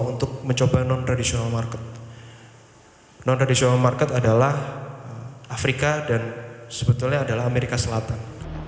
untuk mencoba non traditional market non traditional market adalah afrika dan sebetulnya adalah amerika selatan